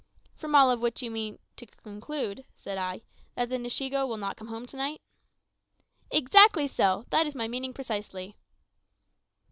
"From all of which you conclude," said I, "that the Nshiego will not come home to night?" "Exactly so; that is my meaning precisely."